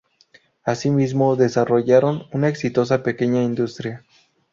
Asimismo, desarrollaron una exitosa pequeña industria.